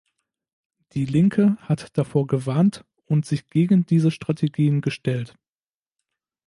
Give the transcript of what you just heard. Die Linke hat davor gewarnt und sich gegen diese Strategien gestellt.